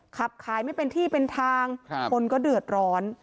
ขับขายไม่เป็นที่เป็นทางคนก็เดือดร้อน